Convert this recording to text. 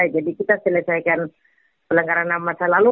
kita selesaikan pelanggaran ham masa lalu